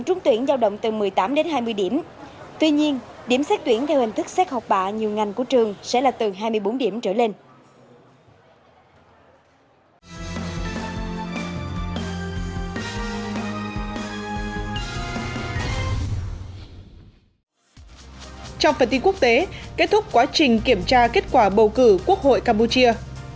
trong phần tin quốc tế kết thúc quá trình kiểm tra kết quả bầu cử quốc hội campuchia